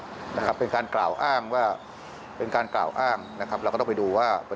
ว่าเนื่องจากเขาเป็นเจ้าหน้าที่นะครับ